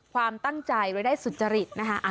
ความตั้งใจไว้ได้สุจริตนะคะ